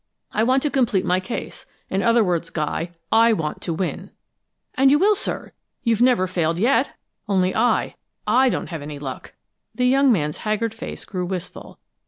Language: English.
I want to complete my case: in other words, Guy I want to win!" "And you will, sir; you've never failed yet! Only I I don't have any luck!" The young man's haggard face grew wistful.